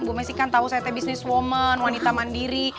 bu messi kan tau saya bisnis woman wanita mandiri